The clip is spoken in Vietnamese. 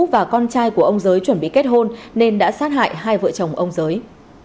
và con trai của ông giới chuẩn bị kết hôn nên đã sát hại hai vợ chồng ông giới